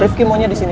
rifki maunya disini